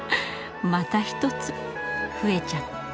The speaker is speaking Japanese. また一つ増えちゃった。